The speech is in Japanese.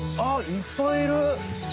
いっぱいいる！